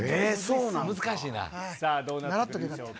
さあ、どうなっていくんでしょうか。